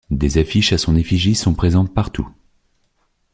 Des affiches à son effigie sont présentes partout.